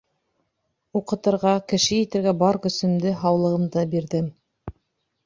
Уҡытырға, кеше итергә бар көсөмдө, һаулығымды бирҙем.